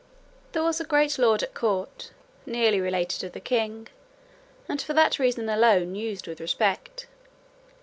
There was a great lord at court, nearly related to the king, and for that reason alone used with respect.